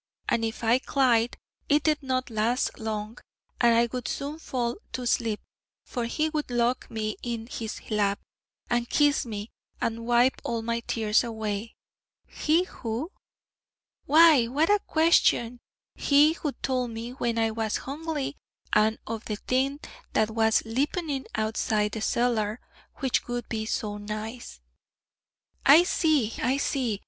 And if I clied, it did not last long, and I would soon fall to sleep, for he would lock me in his lap, and kiss me, and wipe all my tears away.' 'He who?' 'Why, what a question! he who told me when I was hungly, and of the thing that was lipening outside the cellar, which would be so nice.' 'I see, I see.